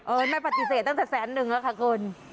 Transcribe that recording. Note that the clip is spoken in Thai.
ไม่ปฏิเสธตั้งแต่แสนนึงแล้วค่ะคุณ